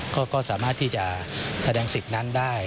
ก็สามารถที่จะแสดงสิทธิ์นั้นได้